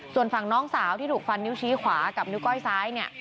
ส่วนฝั่งน้องสาวที่ถูกฟันนิ้วชี้ขวากับนิ้วก้อยซ้ายเนี่ย